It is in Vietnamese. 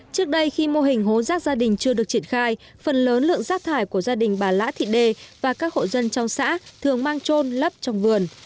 trước đây khi mô hình hố rác gia đình chưa được triển khai phần lớn lượng rác thải của gia đình bà lã thị đê và các hộ dân trong xã thường mang trôn lấp trong vườn